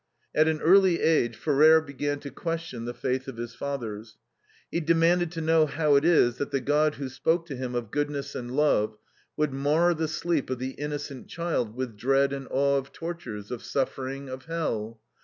At an early age Ferrer began to question the faith of his fathers. He demanded to know how it is that the God who spoke to him of goodness and love would mar the sleep of the innocent child with dread and awe of tortures, of suffering, of hell.